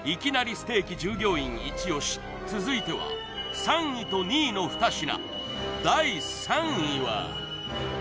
ステーキ従業員イチ押し続いては３位と２位のふた品